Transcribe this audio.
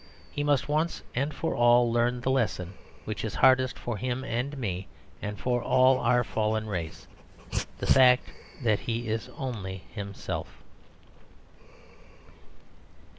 He must, once and for all, learn the lesson which is hardest for him and me and for all our fallen race the fact that he is only himself.